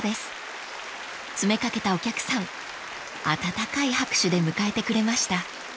［詰め掛けたお客さん温かい拍手で迎えてくれました］